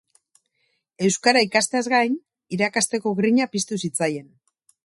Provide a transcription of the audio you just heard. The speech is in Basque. Euskara ikasteaz gain, irakasteko grina piztu zitzaien.